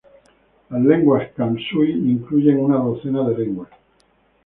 Las lenguas kam-sui incluyen una docena de lenguas.